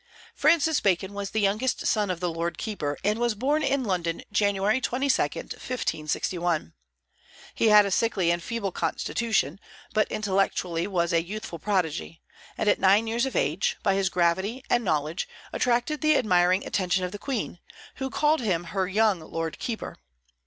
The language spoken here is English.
Francis Bacon was the youngest son of the Lord Keeper, and was born in London, Jan. 22, 1561. He had a sickly and feeble constitution, but intellectually was a youthful prodigy; and at nine years of age, by his gravity and knowledge, attracted the admiring attention of the Queen, who called him her young Lord Keeper.